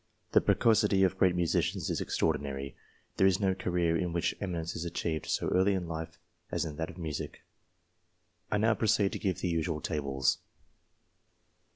The precocity of great musicians is extraordinary. There MUSICIANS 231 is no career in which eminence is achieved so early in life as in that of music. I now proceed to give the usual tables.